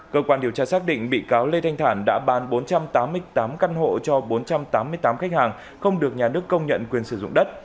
cơ quan điều tra xác định bị cáo lê thanh thản đã bán bốn trăm tám mươi tám căn hộ cho bốn trăm tám mươi tám khách hàng không được nhà nước công nhận quyền sử dụng đất